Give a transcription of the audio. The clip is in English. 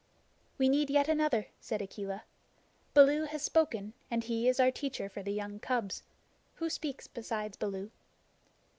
"We need yet another," said Akela. "Baloo has spoken, and he is our teacher for the young cubs. Who speaks besides Baloo?"